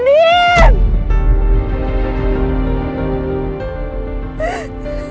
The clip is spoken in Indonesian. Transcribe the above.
ini gak ada